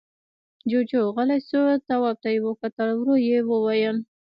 جُوجُو غلی شو، تواب ته يې وکتل، ورو يې وويل: